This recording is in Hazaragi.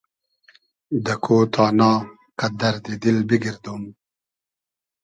دۂ کۉ تانا قئد دئردی دیل بیگئردوم